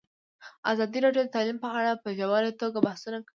ازادي راډیو د تعلیم په اړه په ژوره توګه بحثونه کړي.